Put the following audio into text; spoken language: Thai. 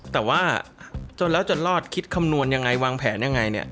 แต่ว่าจนแล้วจนรอดคิดคำนวณยังไงวางแผนยังไงเนี่ย